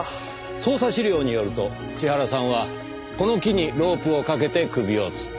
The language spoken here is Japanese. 捜査資料によると千原さんはこの木にロープをかけて首をつった。